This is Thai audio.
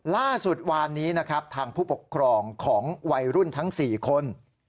ล่าสุดวานนี้นะครับทางผู้ปกครองของวัยรุ่นทั้ง๔คน